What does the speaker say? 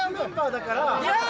だからだ！